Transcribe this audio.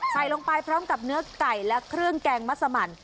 ใส่ลงไปพร้อมกับเนื้อไก่และเครื่องแกงมัสมัน